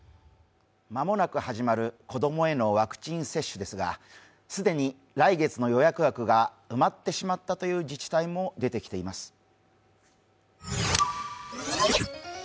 間もなく始まる子供へのワクチン接種ですが既に来月の予約枠が埋まってしまったという自治体も出てきています。